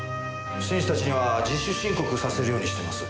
選手たちには自主申告させるようにしてます。